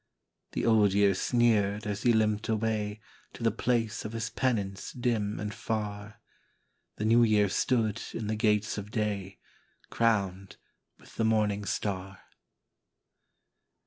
" The Old Year sneered as he limped away To the place of his penance dim and far. The New Year stood in the gates of day, Crowned with the morning star.